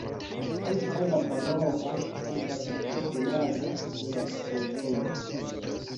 Ankaŭ la paroĥo estas apartenaĵo de la preĝejo.